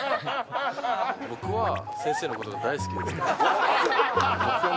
僕は先生のことが大好きですと。